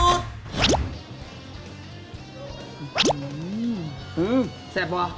อื้มอื้มแซ่บวะแซ่บ